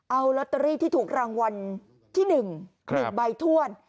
เอาลอตเตอรี่ที่ถูกรางวัลที่๑๑ใบถ้วน